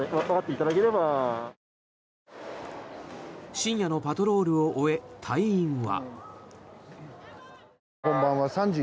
深夜のパトロールを終え隊員は。